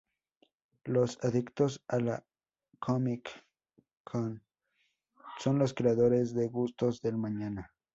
Los adictos a la Comic-Con son los creadores de gustos del mañana.